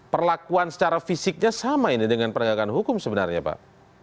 perlakuan secara fisiknya sama ini dengan penegakan hukum sebenarnya pak